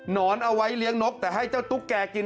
นอนเอาไว้เลี้ยงนกแต่ให้เจ้าตุ๊กแก่กิน